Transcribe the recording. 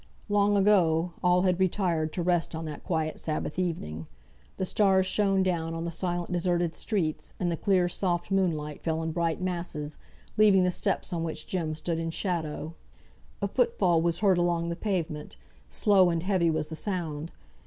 Long ago had all retired to rest on that quiet Sabbath evening. The stars shone down on the silent deserted streets, and the soft clear moonlight fell in bright masses, leaving the steps on which Jem stood in shadow. A foot fall was heard along the pavement; slow and heavy was the sound.